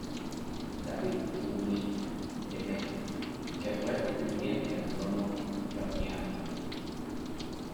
David tuvo un hijo, Demetrio, que fue pretendiente al trono georgiano